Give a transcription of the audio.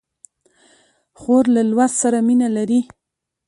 خور له لوست سره مینه لري.